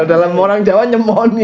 dalam orang jawa nyemoni